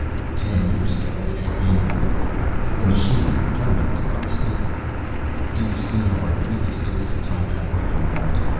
Ten years ago it had been ore. The machine returned it to that state. "Do you see how our previous theories of time travel have been wrong?